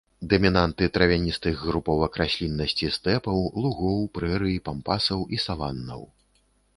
Дамінанты травяністых груповак расліннасці стэпаў, лугоў, прэрый, пампасаў і саваннаў.